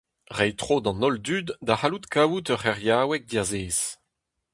Reiñ tro d'an holl dud da c'hallout kaout ur c'heriaoueg diazez.